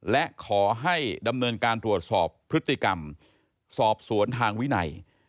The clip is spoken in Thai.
และขอให้ดำเนินการตรวจสอบพฤติกรรมสอบสวนทางวินัย